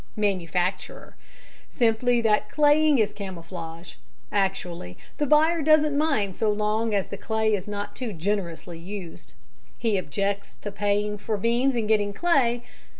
MANUFACTURER: Simply that claying is camouflage. Actually the buyer doesn't mind so long as the clay is not too generously used. He objects to paying for beans and getting clay.